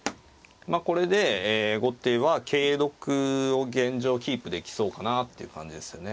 まあこれで後手は桂得を現状キープできそうかなっていう感じですよね。